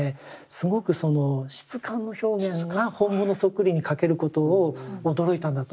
すごくその質感の表現が本物そっくりに描けることを驚いたんだと思うんです。